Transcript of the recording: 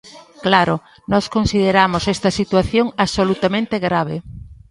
Claro, nós consideramos esta situación absolutamente grave.